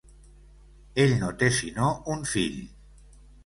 Ell no té sinó un fill.